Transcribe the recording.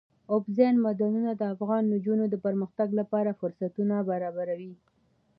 اوبزین معدنونه د افغان نجونو د پرمختګ لپاره فرصتونه برابروي.